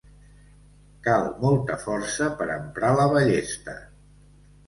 Cal molta força per emprar la ballesta.